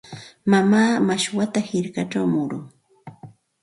Mamaa mashwata hirkachaw murun.